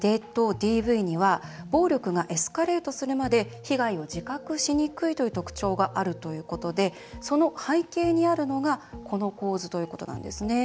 ＤＶには暴力がエスカレートするまで被害を自覚しにくいという特徴があるということでその背景にあるのがこの構図ということなんですね。